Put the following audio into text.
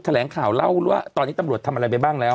แถลงข่าวเล่าว่าตอนนี้ตำรวจทำอะไรไปบ้างแล้ว